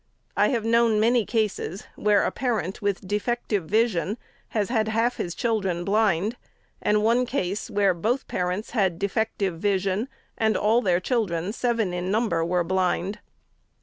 I have known many cases, where a parent, with defective vision, has had half his children blind ; and one case, where both parents had defective vision, and all their children, seven in number, were blind.